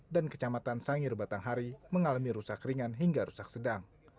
dan kejamatan sangir batanghari mengalami rusak ringan hingga rusak sedang